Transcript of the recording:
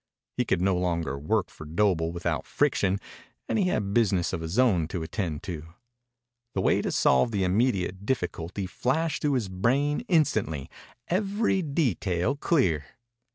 He could no longer work for Doble without friction, and he had business of his own to attend to. The way to solve the immediate difficulty flashed through his brain instantly, every detail clear.